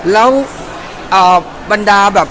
แล้วบรรดาแบบ